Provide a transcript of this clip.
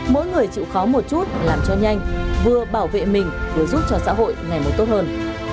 mỗi người chịu khó một chút làm cho nhanh vừa bảo vệ mình vừa giúp cho xã hội ngày một tốt hơn